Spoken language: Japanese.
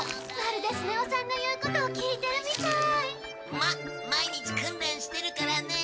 まあ毎日訓練してるからね。